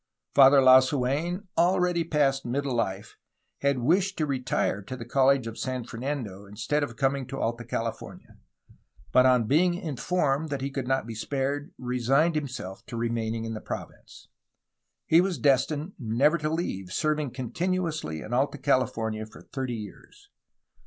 Father Lasu^n, already past middle life, had wished to retire to the College of San Fernando instead of coming to Alta California, but, on being informed that he could not be spared, resigned himself to remaining in the province. He was destined never to leave, serving continuously in Alta California for thirty years.